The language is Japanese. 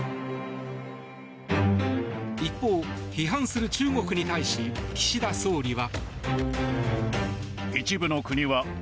一方、批判する中国に対し岸田総理は。